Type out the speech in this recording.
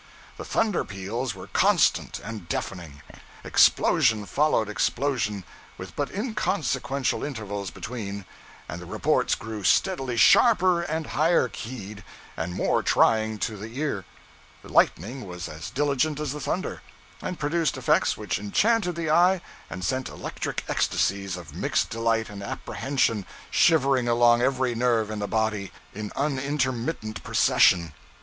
The thunder peals were constant and deafening; explosion followed explosion with but inconsequential intervals between, and the reports grew steadily sharper and higher keyed, and more trying to the ear; the lightning was as diligent as the thunder, and produced effects which enchanted the eye and sent electric ecstasies of mixed delight and apprehension shivering along every nerve in the body in unintermittent procession.